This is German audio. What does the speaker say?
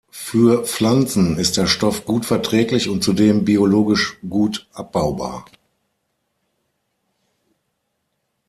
Für Pflanzen ist der Stoff gut verträglich und zudem biologisch gut abbaubar.